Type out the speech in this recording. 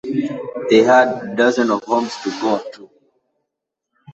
They had dozens of homes to go to.